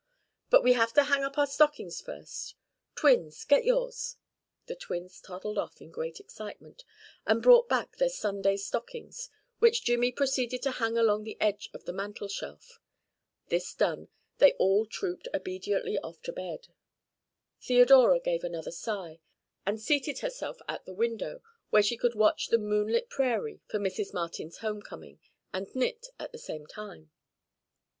But we have to hang up our stockings first. Twins, get yours." The twins toddled off in great excitement, and brought back their Sunday stockings, which Jimmy proceeded to hang along the edge of the mantel shelf. This done, they all trooped obediently off to bed. Theodora gave another sigh, and seated herself at the window, where she could watch the moonlit prairie for Mrs. Martin's homecoming and knit at the same time.